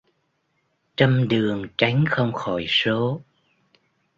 Trăm đường tránh không khỏi số.